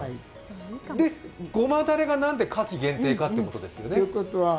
ゴマタレが、なぜ夏季限定かということですよね。